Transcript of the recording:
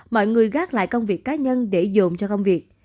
mọi người gác lại công việc cá nhân để dồn cho công việc